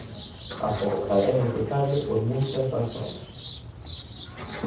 A folga é necesaria por moitas razóns.